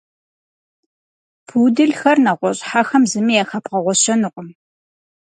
Пуделхэр нэгъуэщӏ хьэхэм зыми яхэбгъэгъуэщэнукъым.